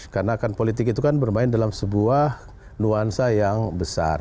karena kan politik itu bermain dalam sebuah nuansa yang besar